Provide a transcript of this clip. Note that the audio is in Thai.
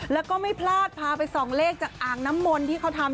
แล้วก็ไม่พลาดพาไปส่องเลขจากอ่างน้ำมนต์ที่เขาทำ